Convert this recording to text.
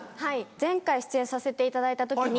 前回出演させていただいた時に。